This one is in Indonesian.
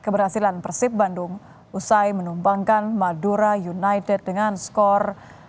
berhasilan persib bandung usai menumbangkan madura united dengan skor tiga satu